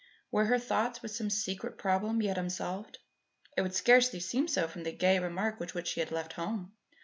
Were her thoughts with some secret problem yet unsolved? It would scarcely seem so from the gay remark with which she had left home.